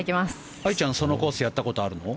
藍ちゃんそのコースやったことあるの？